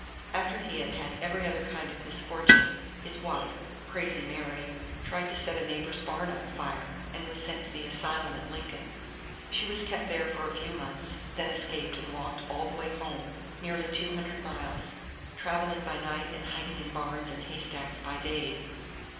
After he had had every other kind of misfortune, his wife, "Crazy Mary," tried to set a neighbor's barn on fire, and was sent to the asylum at Lincoln. She was kept there for a few months, then escaped and walked all the way home, nearly two hundred miles, traveling by night and hiding in barns and haystacks by day.